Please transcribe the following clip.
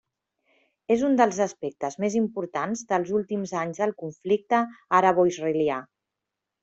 És un dels aspectes més importants dels últims anys del conflicte araboisraelià.